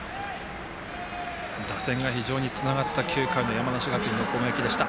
打線がつながった９回の山梨学院の攻撃でした。